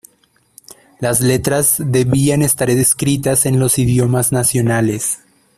Las letras debían estar escritas en los idiomas nacionales.